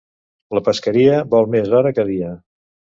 La pesqueria vol més hora que dia.